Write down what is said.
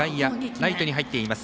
ライトに入っています。